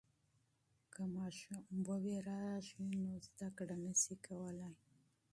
که ماشوم وډار سي نو زده کړه نسي کولای.